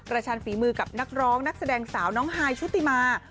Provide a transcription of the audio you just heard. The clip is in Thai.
ชันฝีมือกับนักร้องนักแสดงสาวน้องฮายชุติมา